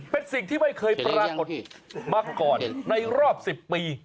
เป็นสิ่งที่ไม่เคยปรากฏมาก่อนในรอบ๑๐ปี